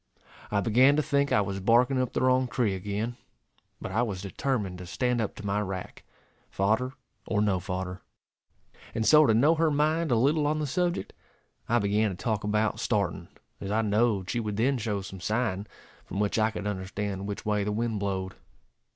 I began to think I was barking up the wrong tree again; but I was determined to stand up to my rack, fodder or no fodder. And so, to know her mind a little on the subject, I began to talk about starting, as I knowed she would then show some sign, from which I could understand which way the wind blowed.